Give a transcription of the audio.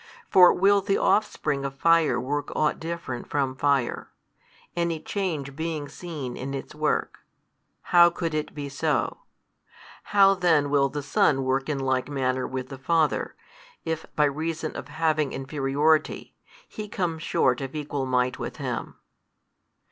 for will the offspring of fire work ought different from fire, any change being seen in its work? how could it be so? How then will the Son work in like manner with the Father, if by reason of having inferiority He come short of equal Might with Him?